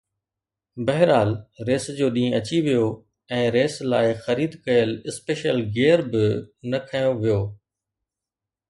بهرحال ريس جو ڏينهن اچي ويو ۽ ريس لاءِ خريد ڪيل اسپيشل گيئر به نه کنيو ويو.